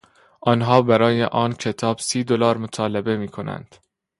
آنها برای آن کتاب سی دلار مطالبه میکنند.